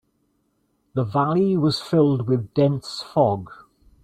The valley was filled with dense fog.